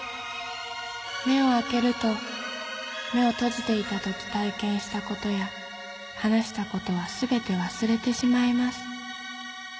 目を開けると目を閉じていたとき体験したことや話したことはすべて忘れてしまいます。